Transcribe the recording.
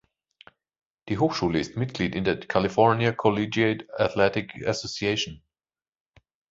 Die Hochschule ist Mitglied in der "California Collegiate Athletic Association".